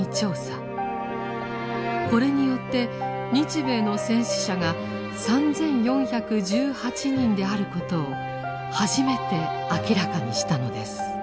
これによって日米の戦死者が３４１８人であることを初めて明らかにしたのです。